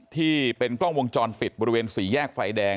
ที่เป็นกล้องวงจรปิดบริเวณสี่แยกไฟแดง